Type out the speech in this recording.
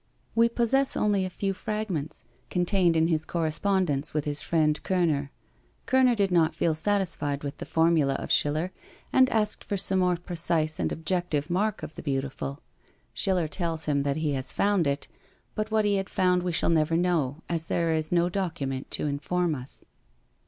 We possess only a few fragments, contained in his correspondence with his friend Körner. Körner did not feel satisfied with the formula of Schiller, and asks for some more precise and objective mark of the beautiful. Schiller tells him that he has found it, but what he had found we shall never know, as there is no document to inform us.